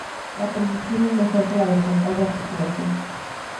La precisión es mejor que la del compás de articulación.